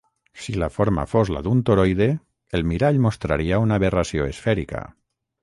Si la forma fos la d'un toroide, el mirall mostraria una aberració esfèrica.